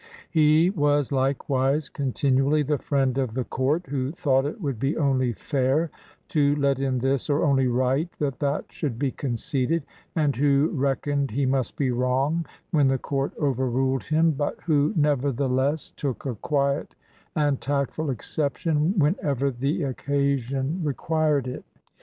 He was likewise con tinually the friend of the court who thought it "would be only fair" to let in this, or "only right that that should be conceded," and who "reck oned he must be wrong," when the court over ruled him, but who, nevertheless, took a quiet and tactful exception whenever the occasion re quired it.